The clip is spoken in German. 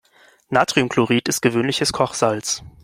Natriumchlorid ist gewöhnliches Kochsalz.